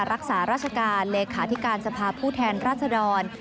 รักษาราชการเลขาธิการสภาพผู้แทนรัศดร